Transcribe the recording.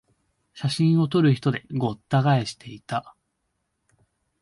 写真を撮る人でごった返していた